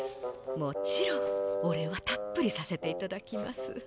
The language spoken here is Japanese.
もちろんお礼はたっぷりさせていただきます。